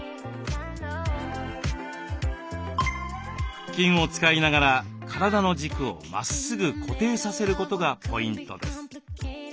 腹筋を使いながら体の軸をまっすぐ固定させることがポイントです。